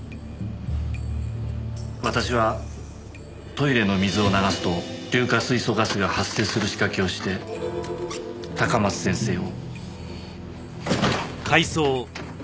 私はトイレの水を流すと硫化水素ガスが発生する仕掛けをして高松先生を。